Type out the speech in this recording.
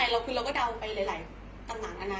เราก็เดาไปหลายตำนานอาณา